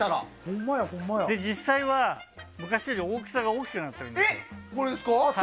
実際は、昔より大きさが大きくなっております。